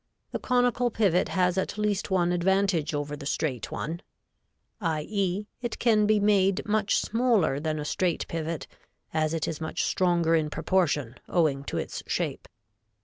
The conical pivot has at least one advantage over the straight one, i. e., it can be made much smaller than a straight pivot, as it is much stronger in proportion, owing to its shape.